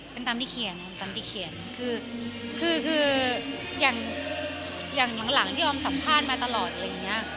เป็นตามที่เขียนคืออย่างหลังที่ออมสัมพันธ์มาตลอดอะไรอย่างนี้